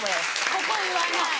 ここ言わない。